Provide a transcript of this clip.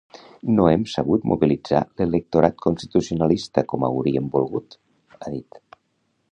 “No hem sabut mobilitzar l’electorat constitucionalista com hauríem volgut”, ha dit.